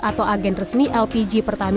atau agen resmi lpg